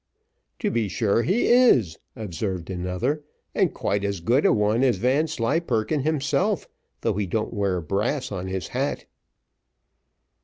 "To be sure he is," observed another; "and quite as good a one as Vanslyperken himself, though he don't wear brass on his hat."